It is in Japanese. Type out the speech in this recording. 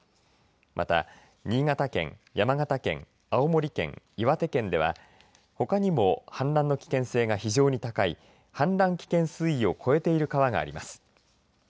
また、新潟県、山形県青森県、岩手県ではほかにも氾濫の危険性が非常に高い氾濫危険水位を超えている川があります。